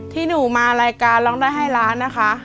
ที่หนูมารายการร้องได้ให้ล้านนะคะ